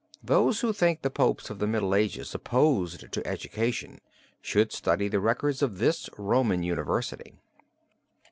Those who think the popes of the Middle Ages opposed to education should study the records of this Roman university.